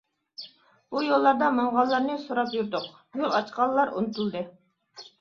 بۇ يوللاردا ماڭغانلارنى سوراپ يۈردۇق، يول ئاچقانلار ئۇنتۇلدى.